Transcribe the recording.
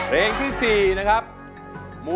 ร้องได้ร้องได้ร้องได้ร้องได้